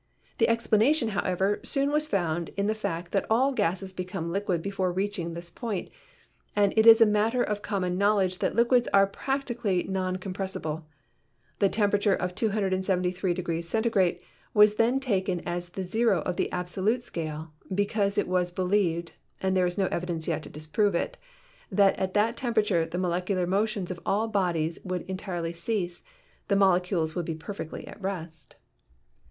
The explanation, how ever, soon was found in the fact that all gases become liquid before reaching this point, and it is a matter of com mon knowledge that liquids are practically non compress ible. The temperature of 273 Centigrade then was taken as the zero of the absolute scale, because it was believed (and there is yet no evidence to disprove it) that at that temperature the molecular motions of all bodies would entirely cease, the molecules would be perfectly at rest.